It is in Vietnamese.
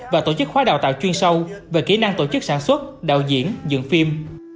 và tổ chức khóa đào tạo chuyên sâu về kỹ năng tổ chức sản xuất đạo diễn dựng phim